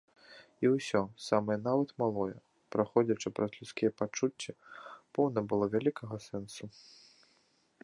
І ўсё, самае нават малое, праходзячы праз людскія пачуцці, поўна было вялікага сэнсу.